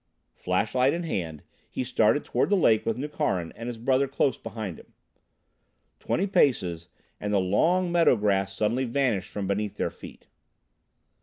Flashlight in hand, he started toward the lake with Nukharin and his brother close behind him. Twenty paces, and the long meadow grass suddenly vanished from beneath their feet.